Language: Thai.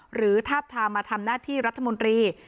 ทาบทามมาทำหน้าที่รัฐมนตรี